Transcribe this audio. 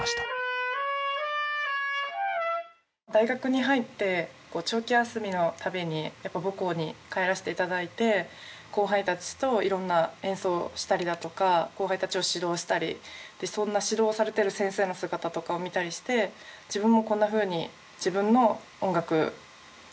大学に入って長期休みの度にやっぱり母校に帰らせていただいて後輩たちといろんな演奏をしたりだとか後輩たちを指導したりでそんな指導をされてる先生の姿とかを見たりして自分もこんなふうに自分の音楽なんていうんですかね？